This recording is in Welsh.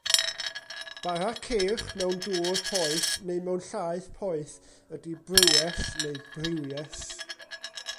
Bara ceirch mewn dŵr poeth neu mewn llaeth poeth ydy brywes neu briwes.